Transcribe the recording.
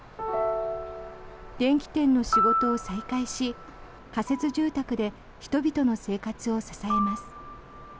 電器店の仕事を再開し仮設住宅で人々の生活を支えます。